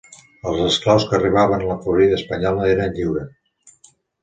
Els esclaus que arribaven a la Florida espanyola eren lliures.